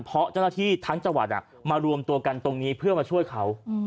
เพราะเจ้าหน้าที่ทั้งจังหวัดมารวมตัวกันตรงนี้เพื่อมาช่วยเขา